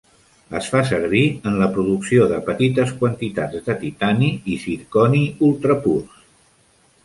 Es fa servir en la producció de petites quantitats de titani i zirconi ultra-purs.